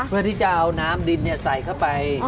เพื่อที่จะเอาน้ำดินใส่เข้าไป